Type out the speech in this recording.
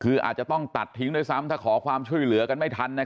คืออาจจะต้องตัดทิ้งด้วยซ้ำถ้าขอความช่วยเหลือกันไม่ทัน